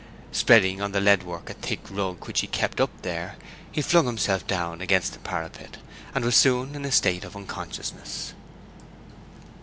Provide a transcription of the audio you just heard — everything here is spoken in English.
Spreading on the lead work a thick rug which he kept up there, he flung himself down against the parapet, and was soon in a state of unconsciousness.